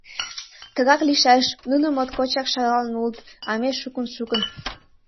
Тыгак лийшаш: нуно моткочак шагалын улыт, а ме — шукын-шукын.